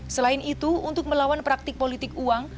selain itu untuk melawan praktik politik uang